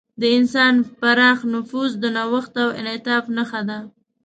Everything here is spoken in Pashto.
د انسان پراخ نفوذ د نوښت او انعطاف نښه ده.